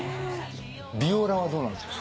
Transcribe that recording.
・ビオラはどうなんですか？